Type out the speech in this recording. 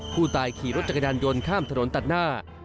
ผู้ตายขี่รถจักรยานยนต์ข้ามถนนตัดหน้า